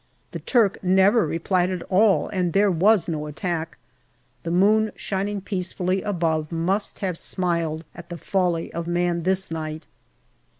The Turk never replied at all, and there was no attack ; the moon shining peace fully above must have smiled at the folly of man this night